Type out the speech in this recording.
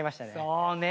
そうね。